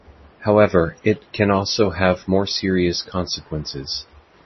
However, it can also have more serious consequences.